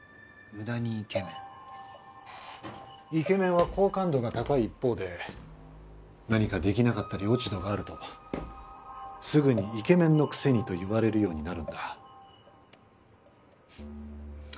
イケメンは好感度が高い一方で何かできなかったり落ち度があるとすぐに「イケメンのくせに」と言われるようになるんだ。